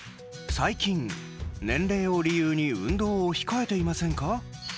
最近、年齢を理由に運動を控えていませんか？